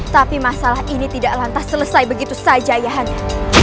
tapi masalah ini tidak lantas selesai begitu saja yahannya